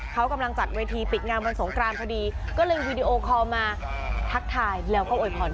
เขากำลังจัดเวทีปิดงานวันสงกรานพอดีก็เลยวีดีโอคอลมาทักทายแล้วก็โวยพร